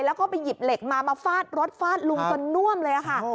แล้วก็ไปหยิบเหล็กมามาฟาดรถฟาดลุงจนน่วมเลยค่ะ